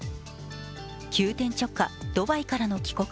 急転直下、ドバイからの帰国。